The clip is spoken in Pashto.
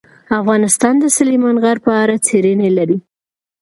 افغانستان د سلیمان غر په اړه څېړنې لري.